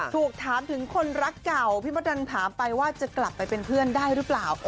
ถูกถามถึงคนรักเก่าพี่มดดำถามไปว่าจะกลับไปเป็นเพื่อนได้หรือเปล่า